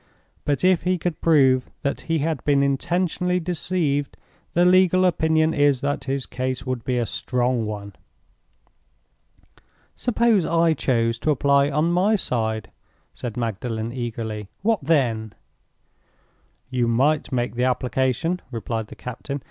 But if he could prove that he had been intentionally deceived, the legal opinion is that his case would be a strong one." "Suppose I chose to apply on my side?" said Magdalen, eagerly. "What then?" "You might make the application," replied the captain.